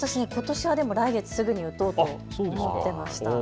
私は来月すぐに打とうと思っていました。